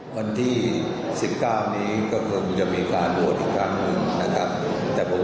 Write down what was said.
วันที่๑๙นี้ก็คงจะมีการโหวตอีกครั้งหนึ่งนะครับ